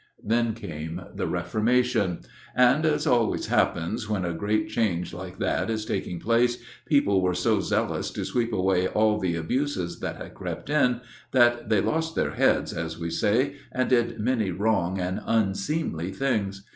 Then came the Reformation; and, as always happens when a great change like that is taking place, people were so zealous to sweep away all the abuses that had crept in, that they 'lost their heads,' as we say, and did many wrong and unseemly things.